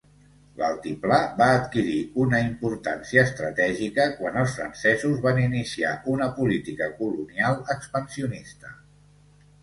L'altiplà va adquirir una importància estratègica quan els francesos van iniciar una política colonial expansionista.